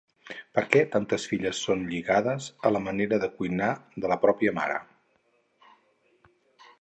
perquè tantes filles son lligades a la manera de cuinar de la pròpia mare